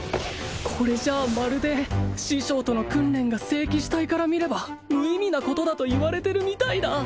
これじゃあまるで師匠との訓練が聖騎士隊から見れば無意味なことだと言われてるみたいだ